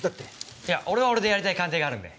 いや俺は俺でやりたい鑑定があるんで。